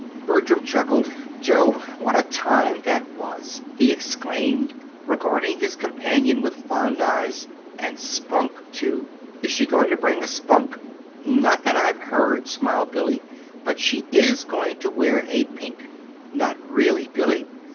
Bertram chuckled. "Jove! What a time that was!" he exclaimed, regarding his companion with fond eyes. "And Spunk, too! Is she going to bring a Spunk?" "Not that I've heard," smiled Billy; "but she is going to wear a pink." "Not really, Billy?"